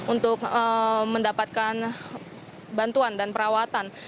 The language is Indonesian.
untuk mendapatkan bantuan dan perawatan